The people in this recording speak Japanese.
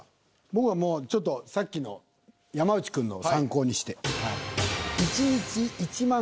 僕はもうちょっとさっきの山内くんのを参考にして。